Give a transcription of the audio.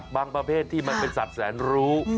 ประเภทที่มันเป็นสัตว์แสนรู้